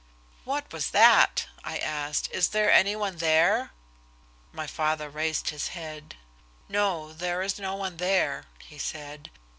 "What was that?" I asked. "Is there any one there?" My father raised his head. "No, there is no one there," he said.